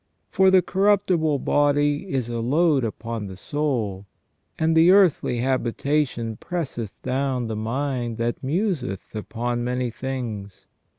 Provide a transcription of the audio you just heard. " For the corruptible body is a load upon the soul, and the earthly habitation presseth down the mind that museth upon many things."